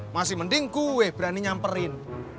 masih mending kue berani nyamperin